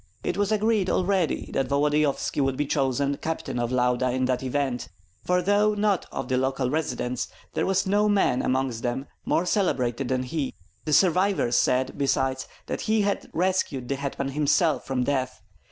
It was agreed already that Volodyovski would be chosen captain of Lauda in that event; for though not of the local residents, there was no man among them more celebrated than he. The survivors said, besides, that he had rescued the hetman himself from death.